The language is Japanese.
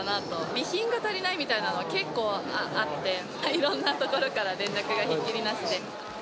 備品が足りないみたいなのは、結構あって、いろんな所から連絡がひっきりなしで。